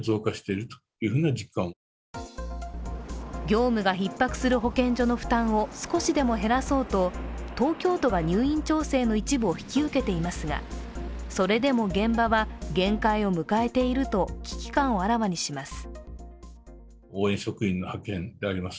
業務がひっ迫する保健所の負担を少しでも減らそうと東京都が入院調整の一部を引き受けていますがそれでも現場は限界を迎えていると、危機感をあらわにします。